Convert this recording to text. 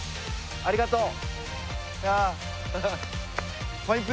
ありがとう。